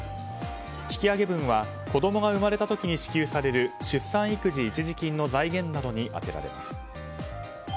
引き上げ分は子供が生まれた時に支給される出産育児一時金の財源などに充てられます。